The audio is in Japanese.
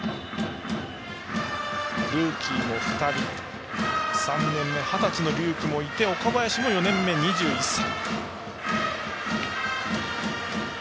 ルーキーも２人３年目、二十歳の龍空もいて岡林も４年目の２１歳。